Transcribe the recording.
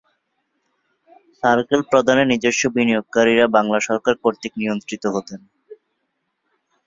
Circle প্রধানের নিজস্ব বিনিয়োগকারীরা বাংলা সরকার কর্তৃক নিয়ন্ত্রিত হতেন।